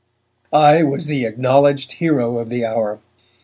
I was the acknowledged hero of the hour.